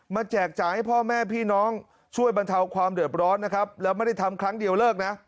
แจกจ่ายให้พ่อแม่พี่น้องช่วยบรรเทาความเดือดร้อนนะครับแล้วไม่ได้ทำครั้งเดียวเลิกนะ